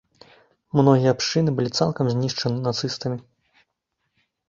Многія абшчыны былі цалкам знішчаны нацыстамі.